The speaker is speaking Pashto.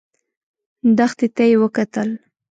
دښتې ته يې وکتل.